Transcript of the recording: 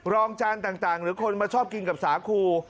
รองจานต่างหรือคนมาชอบกินกับสาคู